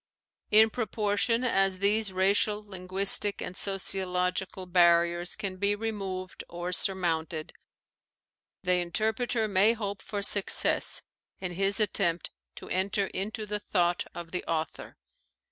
In proportion as these racial, linguistic, and socio logical barriers can be removed or surmounted, the interpreter may hope for success in his attempt to enter into the thought of the author.